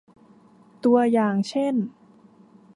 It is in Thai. ตัวอย่างเช่น